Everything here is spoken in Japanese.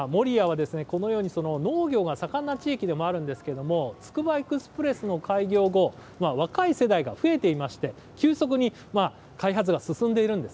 守谷はこのように農業が盛んな地域でもあるんですけれどもつくばエクスプレスの開業後、若い世代が増えていまして急速に開発が進んでいるんです。